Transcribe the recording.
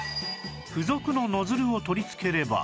付属のノズルを取りつければ